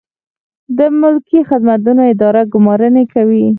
د ملکي خدمتونو اداره ګمارنې کوي